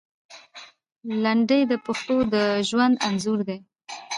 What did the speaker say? لنډۍ د پښتنو د ژوند انځور دی.